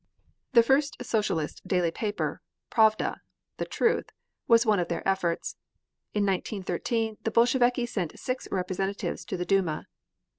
The first Socialist daily paper, Pravda, ("the Truth,") was one of their efforts. In 1913 the Bolsheviki sent six representatives to the Duma.